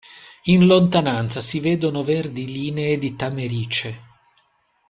In lontananza si vedono verdi linee di tamerice.